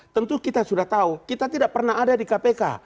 tentu kita sudah tahu kita tidak pernah ada di kpk